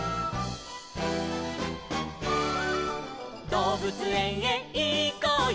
「どうぶつえんへいこうよ